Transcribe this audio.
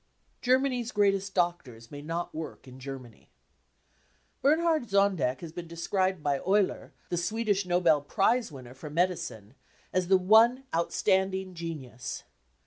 THE CAMPAIGN AGAINST CULTURE 165 Germany's Greatest Doctors may not Work in Germany, Bernhard Zondek has been described by Euler, the Swedish Nobel Prize winner for medicine, as " the one outstanding genius.